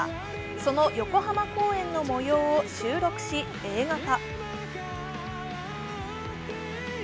その横浜公演の模様を収録し、映画化。